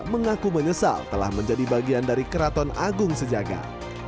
mengaku menyesal telah menjadi bagian dari keraton agung sejagat